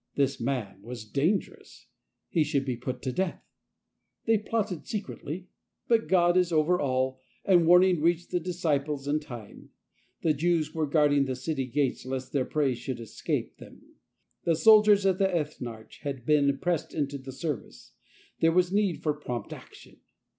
This man was dangerous ; he should be put to death. They plotted secretly ; but God is over all, and warning reached the disciples in time. The Jews were guarding the city gates lest their prey should escape them; the soldiers of the Ethnarch had been pressed into the service; there was need for prompt action.